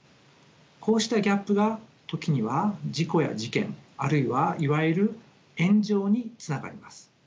こうしたギャップが時には事故や事件あるいはいわゆる炎上につながります。